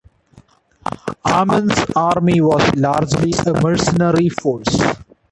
Amin's army was largely a mercenary force.